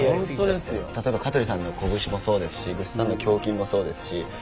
例えば香取さんの拳もそうですしぐっさんの胸筋もそうですし。